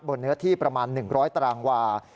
เนื้อที่ประมาณ๑๐๐ตารางวา